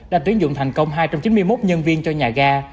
đã tuyển dụng thành công hai trăm chín mươi một nhân viên cho nhà ga